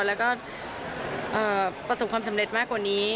แล้วก็ประสบความสำเร็จมากกว่านี้